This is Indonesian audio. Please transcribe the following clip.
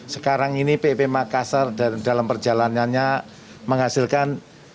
sekarang ini pip makassar dalam perjalanannya menghasilkan tiga belas lima ratus